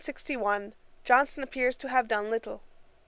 In 1761 Johnson appears to have done little.